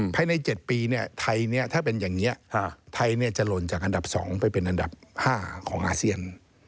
ภายใน๗ปีไทยถ้าเป็นอย่างนี้ไทยจะหล่นจากอันดับ๒ไปเป็นอันดับ๕ของอาเซียน